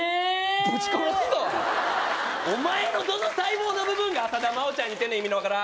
ぶち殺すぞお前のどの細胞の部分が浅田真央ちゃんに似てんねん意味の分からん